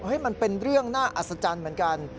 มันเป็นเรื่องน่าอัศจรรย์เหมือนกัน